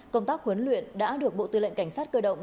công tác huấn luyện đã được bộ tư lệnh cảnh sát cơ động